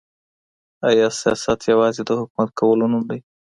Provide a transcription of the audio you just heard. آیا سیاست یوازي د حکومت کولو نوم دی؟